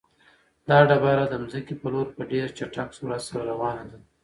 دا ډبره د ځمکې په لور په ډېر چټک سرعت سره روانه ده.